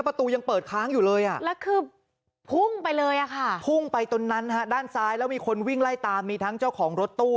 พุ่งไปตรงนั้นฮะด้านซ้ายแล้วมีคนวิ่งไล่ตามมีทั้งเจ้าของรถตู้